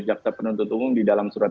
jaksa penuntut umum di dalam surat